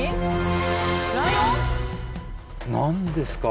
何ですか？